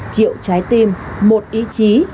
triệu trái tim một ý chí